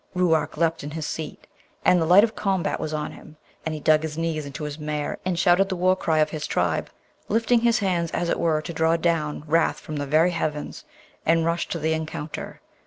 Ruark leapt in his seat, and the light of combat was on him, and he dug his knees into his mare, and shouted the war cry of his tribe, lifting his hands as it were to draw down wrath from the very heavens, and rushed to the encounter.